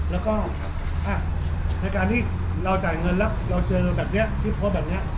แล้วก็ในการที่เราจ่ายเงินแล้วเราเจอคลิปโพสแบบเนี้ย